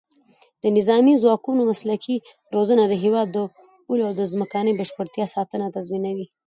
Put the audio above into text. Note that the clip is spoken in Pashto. د نظامي ځواکونو مسلکي روزنه د هېواد د پولو او ځمکنۍ بشپړتیا ساتنه تضمینوي.